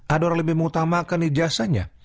ada orang lebih mengutamakan ijazahnya